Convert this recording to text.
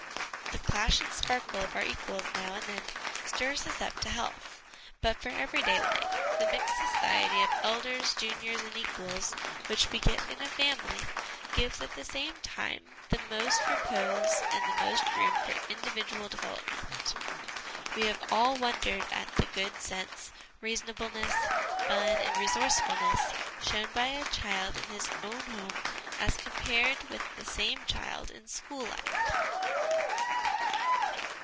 The clash and sparkle of our equals now and then stirs us up to health ; but for everyday life, the mixed society of elders, juniors and equals, which we get in a family, gives at the same time the most repose and the most room for individual development. We have all wondered at the good sense, reasonableness, fun and resourcefulness shown by a child in his own home as compared with the same child in school life.